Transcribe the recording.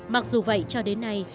mặc dù vậy cho đến nay